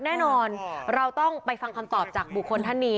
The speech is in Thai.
แน่นอนเราต้องไปฟังคำตอบจากบุคคลท่านนี้